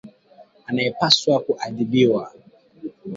Anayepaswa kuabudiwa.